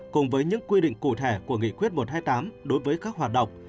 cùng với những quy định cụ thể của nghị quyết một trăm hai mươi tám đối với các hoạt động